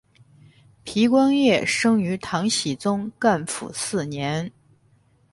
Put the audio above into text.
皮光业生于唐僖宗干符四年。